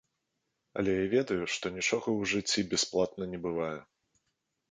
Але я ведаю, што нічога ў жыцці бясплатна не бывае.